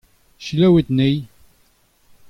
Selaouit anezhi.